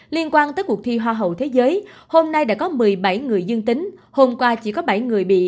liên quan tới cuộc thi hoa hậu thế giới hôm nay đã có một mươi bảy người dương tính hôm qua chỉ có bảy người bị